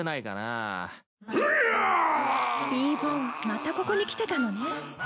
またここに来てたのね。